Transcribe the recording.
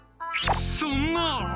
そんなあ。